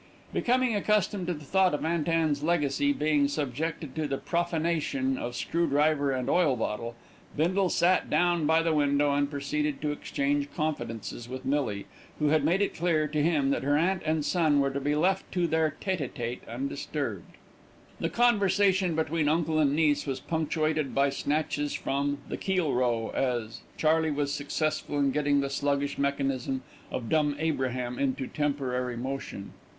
Becoming accustomed to the thought of Aunt Anne's legacy being subjected to the profanation of screw driver and oil bottle, Bindle sat down by the window, and proceeded to exchange confidences with Millie, who had made it clear to him that her aunt and son were to be left to their tête à tête undisturbed. The conversation between uncle and niece was punctuated by snatches from "The Keel Row," as Charley was successful in getting the sluggish mechanism of Dumb Abraham into temporary motion.